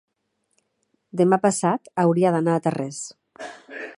demà passat hauria d'anar a Tarrés.